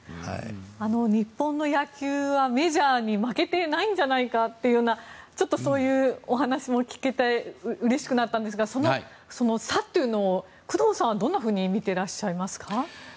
日本の野球はメジャーに負けてないんじゃないかというそういうお話も聞けてうれしくなったんですがその差というのを工藤さんはどんなふうに見ていますか。